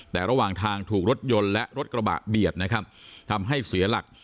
แต่ระหว่างทางถูกรถยนต์และรถกระบะเบียดนะครับทำให้เสียหลัก